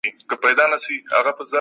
زکات د غريبو خلګو معلوم حق دی.